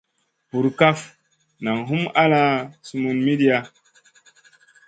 Burkaf nang hum ala sumun midia.